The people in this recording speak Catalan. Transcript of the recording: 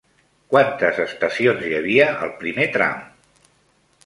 Quantes estacions hi havia al primer tram?